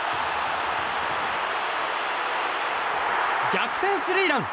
逆転スリーラン！